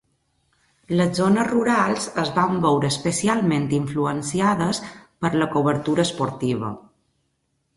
Les zones rurals es van veure especialment influenciades per la cobertura esportiva.